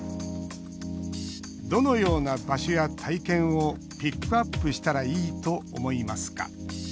「どのような場所や体験をピックアップしたらいいと思いますか？」